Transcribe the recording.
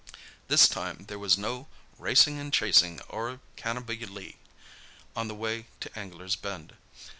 This time there was no "racing and chasing o'er Cannobie Lea" on the way to Anglers' Bend.